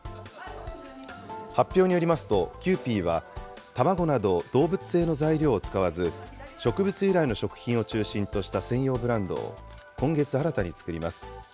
発表によりますと、キユーピーは、卵など動物性の材料を使わず、植物由来の食品を中心とした専用ブランドを今月新たに作ります。